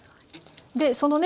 でそのね